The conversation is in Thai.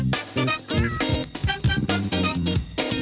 สวัสดีค่ะ